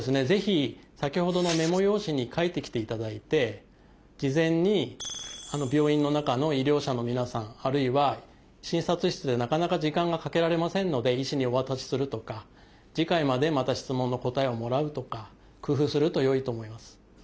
ぜひ先ほどのメモ用紙に書いてきていただいて事前に病院の中の医療者の皆さんあるいは診察室でなかなか時間がかけられませんので医師にお渡しするとか次回までまた質問の答えをもらうとか工夫するとよいと思います。